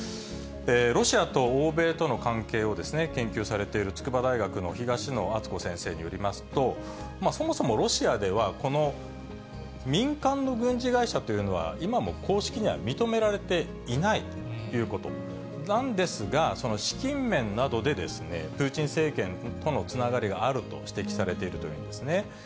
ロシアと欧米との関係を研究されている筑波大学の東野篤子先生によりますと、そもそもロシアでは、この民間の軍事会社というのは、今も公式には認められていないということなんですが、その資金面などで、プーチン政権とのつながりがあると指摘されているというんですね。